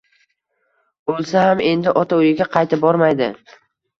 O`lsa ham endi ota uyiga qaytib bormaydi